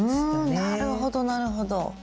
うんなるほどなるほど。